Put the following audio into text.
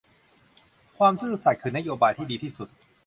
ความซื่อสัตย์คือนโบายที่ดีที่สุด